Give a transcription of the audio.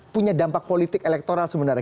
punya dampak politik elektoral sebenarnya